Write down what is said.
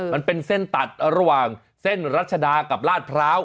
มันเป็นเส้นตัดระหว่างเส้นรัชดากับลาดพร้าว